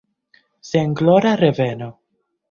Senglora reveno!